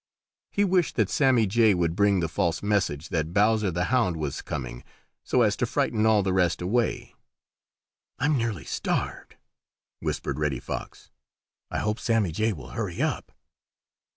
He wished that Sammy Jay would bring the false message that Bowser the Hound was coming, so as to frighten all the rest away. "I'm nearly starved!" whispered Reddy Fox. "I hope Sammy Jay will hurry up."